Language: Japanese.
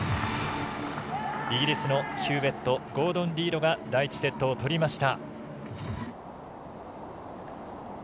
イギリスのヒューウェットゴードン・リードが第１セットを取りました。